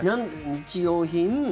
日用品。